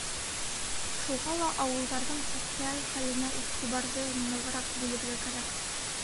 Шуға ла ауылдарҙың социаль хәленә иғтибарҙы нығыраҡ бүлергә кәрәк.